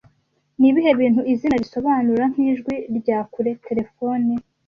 Nibihe bintu izina risobanura nkijwi rya kure Terefone